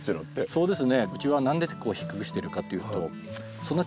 そうです。